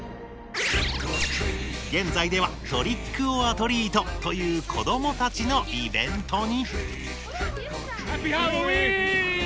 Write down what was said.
現在では「トリックオアトリート」という子どもたちのイベントにハッピーハロウィーン！